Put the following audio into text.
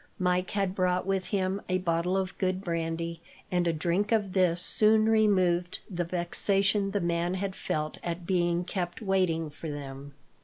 Mike had brought with him a bottle of good brandy, and a drink of this soon removed the vexation the man had felt at being kept waiting for them.